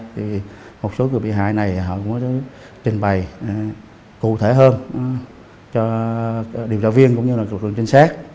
thì một số người bị hại này họ cũng có trình bày cụ thể hơn cho điều trợ viên cũng như là cụ trưởng trinh sát